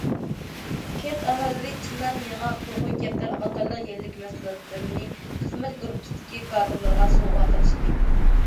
كەنت ئاھالىلىرى چىلان، ياڭاق، توخۇ، كەپتەر قاتارلىق يەرلىك مەھسۇلاتلىرىنى خىزمەت گۇرۇپپىسىدىكى كادىرلارغا سوۋغا قىلىشتى.